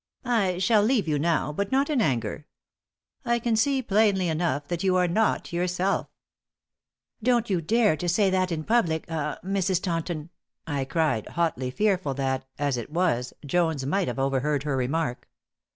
"I shall leave you now, but not in anger. I can see, plainly enough, that you are not yourself." "Don't you dare to say that in public ah Mrs. Taunton," I cried, hotly, fearful that, as it was, Jones might have overheard her remark.